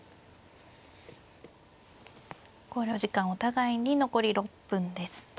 考慮時間お互いに残り６分です。